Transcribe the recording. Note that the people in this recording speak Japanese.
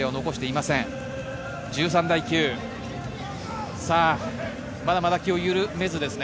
まだまだ気を緩めずですね。